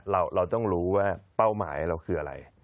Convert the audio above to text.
เราต้องรู้ว่าเป้าหมายเราคืออะไร